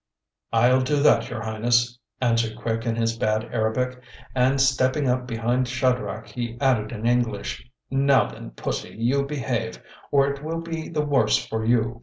"I'll do that, your Highness," answered Quick in his bad Arabic, and stepping up behind Shadrach he added in English, "Now then, Pussy, you behave, or it will be the worse for you."